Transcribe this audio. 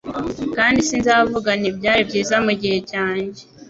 Kandi sinzavuga nti Byari byiza mugihe cyanjye